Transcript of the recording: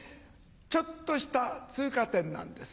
ちょっとした通過点なんです。